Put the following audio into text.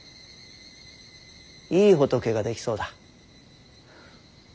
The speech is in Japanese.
いい仏が出来そうだ。